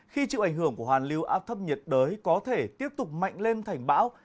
khi chịu ảnh hưởng của hoàn lưu áp thấp nhiệt đới có thể tiếp tục mạnh lên thành bão